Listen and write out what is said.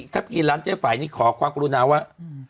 ถ้ากินร้านเจ๊ไฝนี่ขอความกรุณาว่า